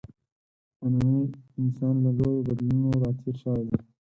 نننی انسان له لویو بدلونونو راتېر شوی دی.